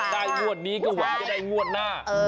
งวดนี้ก็หวังจะได้งวดหน้า